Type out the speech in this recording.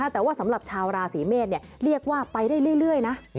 แต่ว่าสำหรับชาวราศีเมษเรียกว่าไปได้เรื่อยนะ